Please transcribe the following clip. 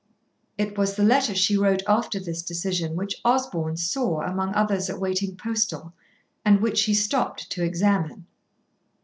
It was the letter she wrote after this decision which Osborn saw among others awaiting postal, and which he stopped to examine.